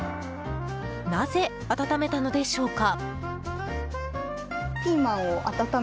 なぜ、温めたのでしょうか？